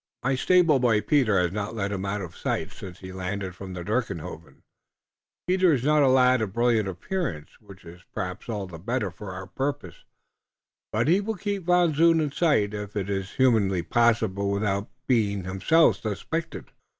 "My stable boy, Peter, hass not let him out of sight, since he landed from the Dirkhoeven. Peter is not a lad of brilliant appearance, which iss perhaps all the better for our purpose, but he will keep Van Zoon in sight, if it iss humanly possible, without being himself suspected."